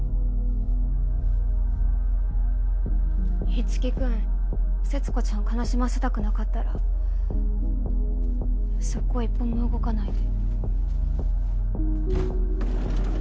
樹君節子ちゃんを悲しませたくなかったらそこ一歩も動かないで。